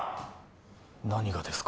何がですか？